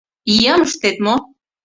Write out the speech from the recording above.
Иям ыштет мо!